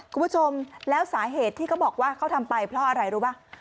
คุณผู้ชมแล้วสาเหตุที่เขาบอกว่าเขาทำไปเพราะอะไรรู้ป่ะ